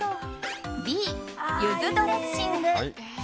Ｂ、ゆずドレッシング。